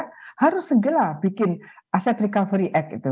jadi kita harus segera bikin aset recovery act itu